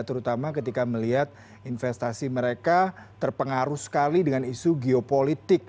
terutama ketika melihat investasi mereka terpengaruh sekali dengan isu geopolitik